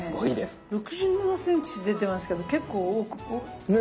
６７ｃｍって出てますけど結構。